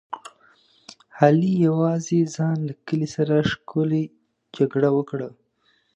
علي یوازې ځان له کلي سره ښکلې جګړه وکړه.